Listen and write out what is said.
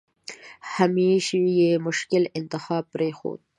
همېش یې مشکل انتخاب پرېښوده.